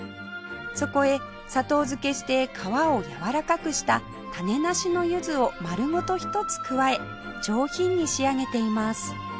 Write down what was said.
そこへ砂糖漬けして皮をやわらかくした種なしの柚子を丸ごと１つ加え上品に仕上げています